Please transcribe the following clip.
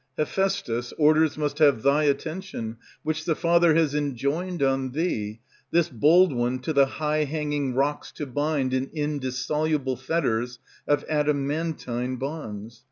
Hephaistus, orders must have thy attention, Which the Father has enjoined on thee, this bold one To the high hanging rocks to bind In indissoluble fetters of adamantine bonds.